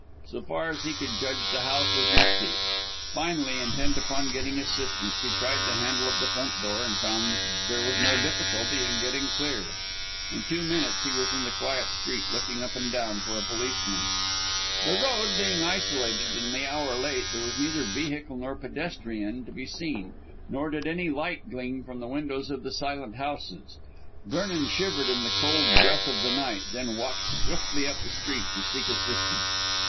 So far as he could judge, the house was empty. Finally, intent upon getting assistance, he tried the handle of the front door, and found that there was no difficulty in getting clear. In two minutes he was in the quiet street, looking up and down for a policeman. The road being isolated and the hour late, there was neither vehicle nor pedestrian to be seen, nor did any light gleam from the windows of the silent houses. Vernon shivered in the cold breath of the night, then walked swiftly up the street to seek assistance.